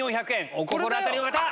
お心当たりの方！